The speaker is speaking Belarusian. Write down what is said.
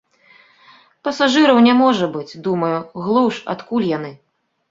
Пасажыраў не можа быць, думаю, глуш, адкуль яны.